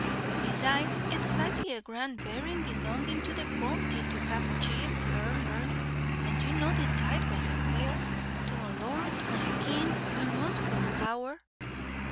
"Besides, it is like a grand berrin' belongin' to the quol'ty to have chief murners, and you know the Tithe was aiqual to a lord or a king a'most for power."